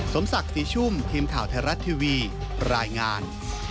สมศักดิ์ศรีชุ่มทีมข่าวไทยรัฐทีวีรายงาน